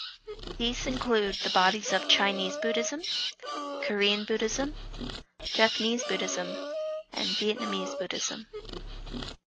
These include the bodies of Chinese Buddhism, Korean Buddhism, Japanese Buddhism, and Vietnamese Buddhism.